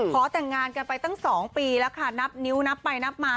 ขอแต่งงานกันไปตั้ง๒ปีแล้วค่ะนับนิ้วนับไปนับมา